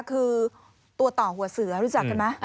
คือตัวต่อหัวเสือรู้จักกันไหม